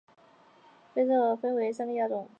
菲氏叶猴分成三个亚种